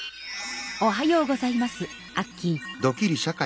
おはようございますアッキー。